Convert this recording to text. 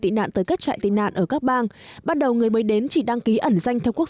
tị nạn tới các trại tị nạn ở các bang ban đầu người mới đến chỉ đăng ký ẩn danh theo quốc